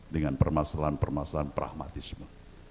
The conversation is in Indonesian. dengan permasalahan permasalahan pragmatisme